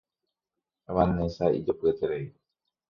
Vanessa ijopyeterei.